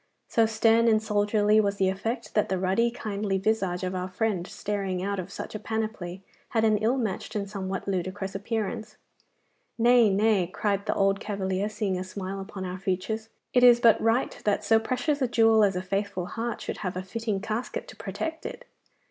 So stern and soldierly was the effect, that the ruddy, kindly visage of our friend staring out of such a panoply had an ill matched and somewhat ludicrous appearance. 'Nay, nay,' cried the old cavalier, seeing a smile upon our features, 'it is but right that so precious a jewel as a faithful heart should have a fitting casket to protect it.